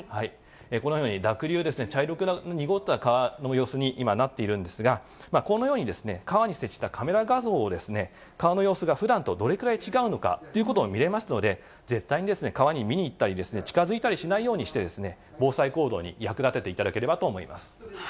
このように濁流、茶色く濁った川の様子に今なっているんですが、このように、川に設置したカメラ画像を、川の様子がふだんとどれぐらい違うのかということが見れますので、絶対に川に見に行ったり、近づいたりしないようにして、防災行動に役立てていただければと思います。